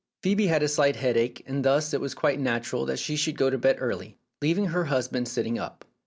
Phoebe had a slight headache, and thus it was quite natural that she should go to bed early, leaving her husband sitting up.